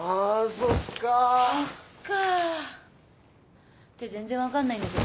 そっか。って全然分かんないんだけど。